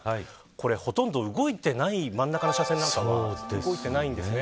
これほとんど動いてない真ん中の車線なんかは動いてないんですね。